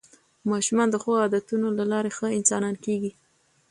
ماشومان د ښو عادتونو له لارې ښه انسانان کېږي